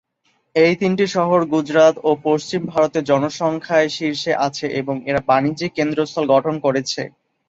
এই তিনটি শহর গুজরাত ও পশ্চিম ভারতে জনসংখ্যায় শীর্ষে আছে এবং এরা বাণিজ্যিক কেন্দ্রস্থল গঠন করেছে।